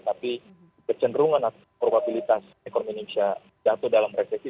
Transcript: tapi kecenderungan atau probabilitas ekonomi indonesia jatuh dalam resesi